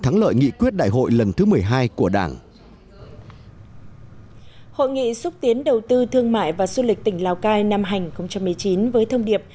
hội nghị xúc tiến đầu tư thương mại và du lịch tỉnh lào cai năm hành một mươi chín với thông điệp